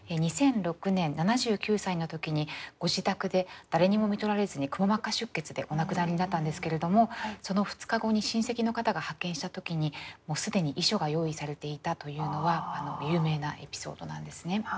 ２００６年７９歳の時にご自宅で誰にもみとられずにくも膜下出血でお亡くなりになったんですけれどもその２日後に親戚の方が発見した時に既に遺書が用意されていたというのは有名なエピソードなんですね。